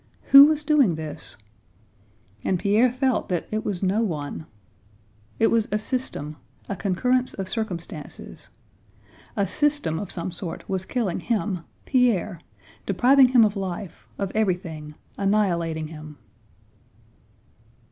Who was doing this? And Pierre felt that it was no one. It was a system—a concurrence of circumstances. A system of some sort was killing him—Pierre—depriving him of life, of everything, annihilating him.